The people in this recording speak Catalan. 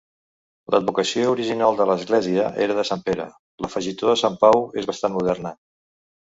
L'advocació original de l'església era de Sant Pere; l'afegitó de Sant Pau és bastant moderna.